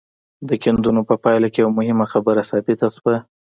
د کيندنو په پايله کې يوه مهمه خبره ثابته شوه.